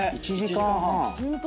１時間半。